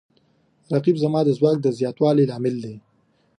رقیب زما د ځواک د زیاتوالي لامل دی